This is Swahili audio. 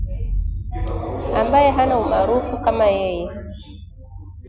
ambaye hana umaarufu kama yeye